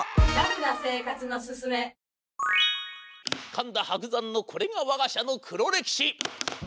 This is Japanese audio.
「神田伯山のこれが我が社の黒歴史」。